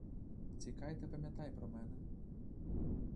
Тікай та пам'ятай про мене!